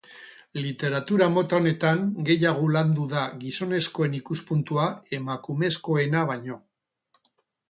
Literatura mota honetan gehiago landu da gizonezkoen ikuspuntua emakumezkoena baino.